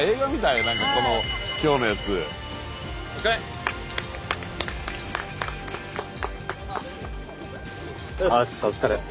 よしお疲れ。